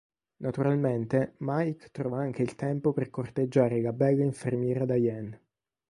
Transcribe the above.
Naturalmente Mike trova anche il tempo per corteggiare la bella infermiera Diane.